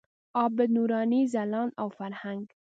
عابد، نوراني، ځلاند او فرهنګ.